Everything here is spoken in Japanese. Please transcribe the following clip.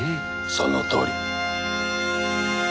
そのとおり。